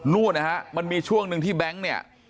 นู้นเนี่ยฮะมันมีช่วงนึงที่แบงค์